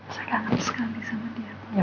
saya kangen sekali sama dia